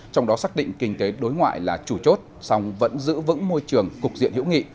trong đó xác định kinh tế đối ngoại là chủ chốt song vẫn giữ vững môi trường cục diện hữu nghị